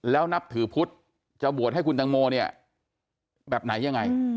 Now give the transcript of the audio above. แล้วนับถือพุทธจะบวชให้คุณตังโมเนี่ยแบบไหนยังไง